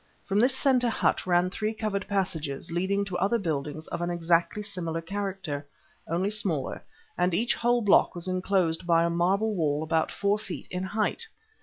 From this centre hut ran three covered passages, leading to other buildings of an exactly similar character, only smaller, and each whole block was enclosed by a marble wall about four feet in height.